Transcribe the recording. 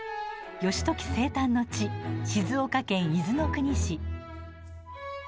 義時生誕の地、静岡県伊豆の国市。